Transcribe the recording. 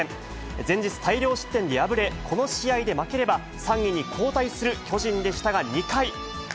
前日、大量失点で敗れ、この試合で負ければ、３位に後退する巨人でしたが、２回。